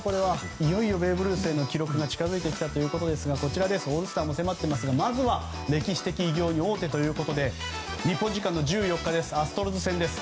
いよいよベーブ・ルースへの記録が近づいてきたということでこちら、オールスターも迫っていますがまずは歴史的偉業に王手ということで日本時間の１４日アストロズ戦です。